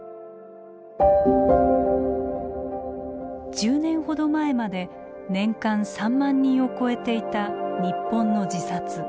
１０年ほど前まで年間３万人を超えていた日本の自殺。